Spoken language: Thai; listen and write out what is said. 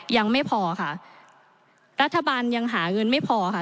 ยังไม่พอค่ะรัฐบาลยังหาเงินไม่พอค่ะ